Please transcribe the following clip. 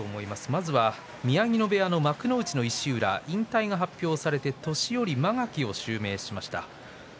まずは宮城野部屋の幕内の石浦引退が発表されて年寄間垣を襲名しました。